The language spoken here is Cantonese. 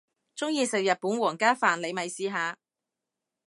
鍾意食日本皇家飯你咪試下